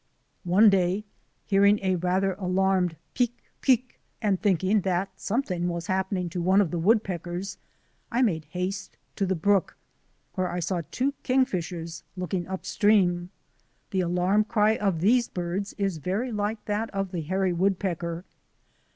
One day, hearing a rather alarmed "peek, peek," and thinking that something was happening to one of the woodpeckers, I made haste to the brook, where I saw two kingfishers looking upstream. The alarm cry of these birds is very like that of the hairy woodpecker.